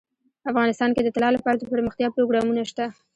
افغانستان کې د طلا لپاره دپرمختیا پروګرامونه شته.